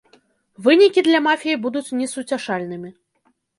Вынікі для мафіі будуць несуцяшальнымі.